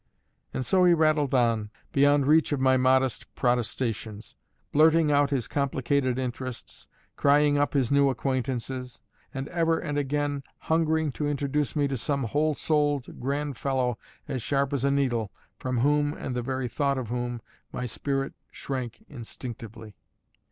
And so he rattled on, beyond reach of my modest protestations, blurting out his complicated interests, crying up his new acquaintances, and ever and again hungering to introduce me to some "whole souled, grand fellow, as sharp as a needle," from whom, and the very thought of whom, my spirit shrank instinctively.